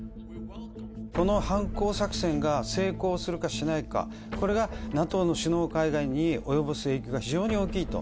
この反攻作戦が成功するかしないか、これがＮＡＴＯの首脳会談に及ぼす影響が非常に大きいと。